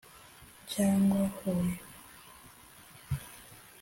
cyangwa Huye